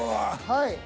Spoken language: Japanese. はい。